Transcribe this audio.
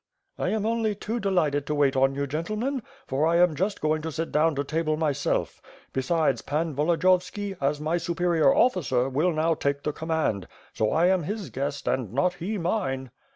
"I am only too delighted to wait on you, gentlemen, for I am just going to sit down to table myself. Besides, Pan Volodiyovski, as my superior officer, will now take the com mand, so I am his guest and not he mine."